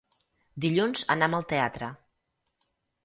Dilluns anam al teatre.